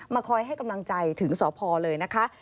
คอยให้กำลังใจถึงสพเลยนะคะ